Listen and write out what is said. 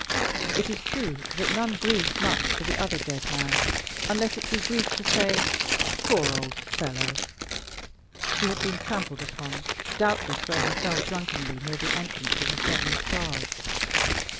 It is true that none grieved much for the other dead man, unless it be grief to say, "Poor old fellow!" He had been trampled upon, doubtless, where he fell drunkenly, near the entrance of the Seven Stars.